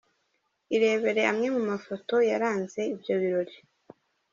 Irebere amwe mu mafoto yaranze ibyo birori:.